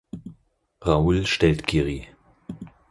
Raoul stellt Giry.